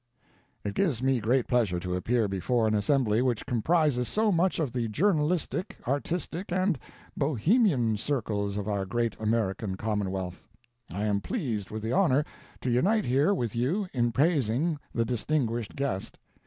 "It gives me great pleasure to appear before an assembly which comprises so much of the journalistic, artistic, and bohemian circles of our great American Commonwealth. I am pleased with the honor to unite here with you in praising the distinguished guest.